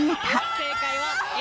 正解はＡ。